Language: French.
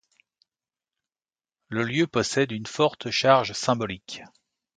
Le lieu possède une forte charge symbolique.